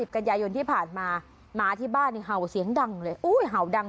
กันยายนที่ผ่านมาหมาที่บ้านเนี่ยเห่าเสียงดังเลยอุ้ยเห่าดัง